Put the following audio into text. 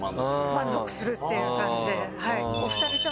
満足するっていう感じで。